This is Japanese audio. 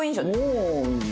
おお。